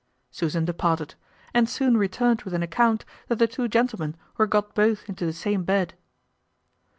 Susan departed, and soon returned with an account that the two gentlemen were got both into the same bed.